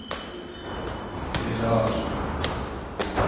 بیرار